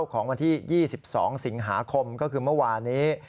ของวันที่๒๒สิงหาคมก็คือเมื่อวานี้